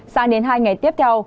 sáng đến hai ngày tiếp theo